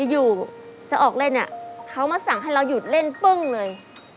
อยู่จะออกเล่นเนี่ยเขามาสั่งให้เราหยุดเล่นปึ้งเลย